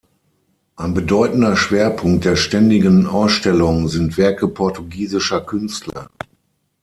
Ein bedeutender Schwerpunkt der ständigen Ausstellung sind Werke portugiesischer Künstler.